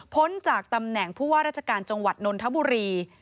จากตำแหน่งผู้ว่าราชการจังหวัดนนทบุรี